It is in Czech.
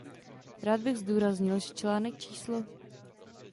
Rád bych zdůraznil, že článek č.